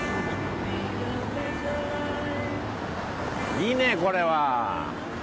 いいねこれは。